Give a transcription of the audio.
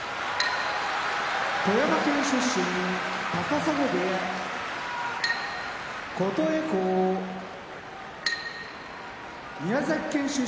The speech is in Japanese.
富山県出身高砂部屋琴恵光宮崎県出身